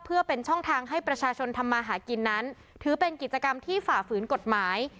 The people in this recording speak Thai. เพื่อเป็นช่องทางให้ประชาชนทำมาหากินนั้นถือเป็นกิจกรรมที่ฝ่าฝืนกฎหมาย